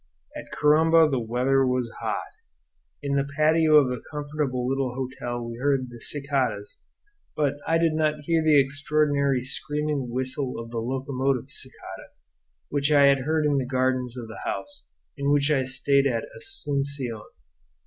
At Corumba the weather was hot. In the patio of the comfortable little hotel we heard the cicadas; but I did not hear the extraordinary screaming whistle of the locomotive cicada, which I had heard in the gardens of the house in which I stayed at Asuncion.